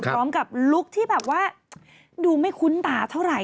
พร้อมกับลุคที่แบบว่าดูไม่คุ้นตาเท่าไหร่